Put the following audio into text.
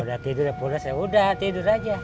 udah tidur ya polis ya udah tidur aja